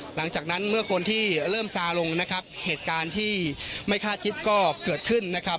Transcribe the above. หลังจากนั้นเมื่อคนที่เริ่มซาลงนะครับเหตุการณ์ที่ไม่คาดคิดก็เกิดขึ้นนะครับ